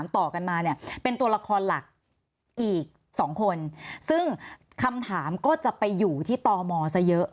ต่อกันมาเนี่ยเป็นตัวละครหลักอีก๒คนซึ่งคำถามก็จะไปอยู่ที่ตมซะเยอะ